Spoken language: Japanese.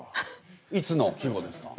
いつの季語ですか？